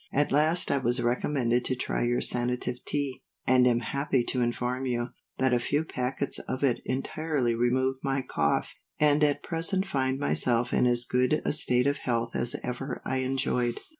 At last I was recommended to try your Sanative Tea, and am happy to inform you, that a few packets of it entirely removed my cough, and at present find myself in as good a state of health as ever I enjoyed.